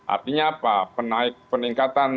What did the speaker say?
artinya apa peningkatan